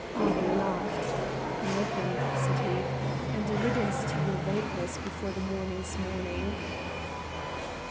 Argyll laughed. "Good night, then," said he, "and a riddance to your vapours before the morning's morning."